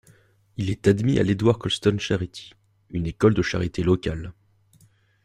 Il est admis à l'Edward Colston’s Charity, une école de charité locale.